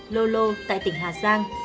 lô lô tại tỉnh hà giang